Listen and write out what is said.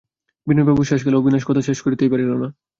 বিনয়বাবুর শেষকালে– অবিনাশ কথা শেষ করিতেই পারিল না।